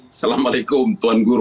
assalamualaikum tuan guru